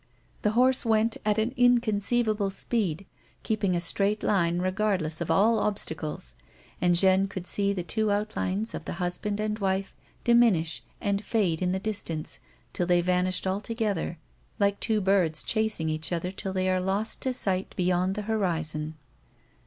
The horse went at an inconceivable speed, keeping a straight line regardless of all obstacles; and Jeanne could see the two outlines of the husband and wife diminish and fade in the distance, till they vanished altogether, like two birds chas ing each other till they are lost to sight beyond the horizon.